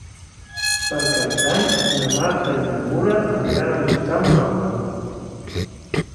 Per Cap d'Any na Marta i na Nura aniran a visitar mon oncle.